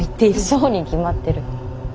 そうに決まってる。